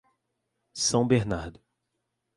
São Bernardo